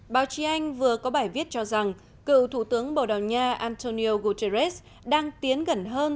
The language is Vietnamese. báo chí anh vừa có bài viết cho rằng cựu thủ tướng bồ đào nha antonio guterres đang tiến gần hơn